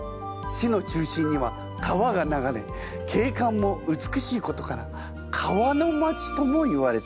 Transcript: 市の中心には川が流れ景観も美しいことから川の街ともいわれているそうよ。